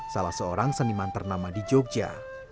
salah seorang seniman ternama di jogja